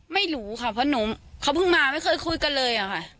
ไม่รู้ค่ะเพราะหนูเขาเพิ่งมาไม่เคยคุยกันเลยอะค่ะ